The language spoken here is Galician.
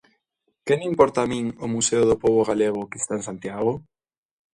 Que me importa a min o Museo do Pobo Galego que está en Santiago?